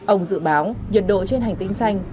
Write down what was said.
ông dự báo nhiệt độ trên hành tinh xanh